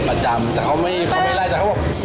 ประจำแต่เขาไม่ไล่แต่เขาบอก